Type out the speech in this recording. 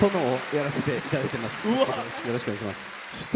よろしくお願いします。